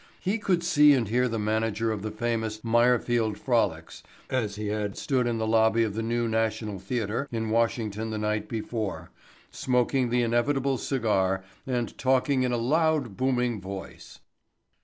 He could see and hear the manager of the famous "Meyerfield Frolics" as he had stood in the lobby of the New National Theatre in Washington the night before, smoking the inevitable cigar and talking in a loud booming voice.